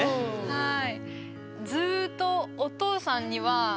はい。